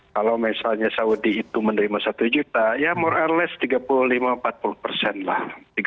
kalau misalnya saudi itu menerima satu juta ya more air less tiga puluh lima empat puluh persen lah